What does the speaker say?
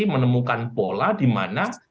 menemukan pola dimana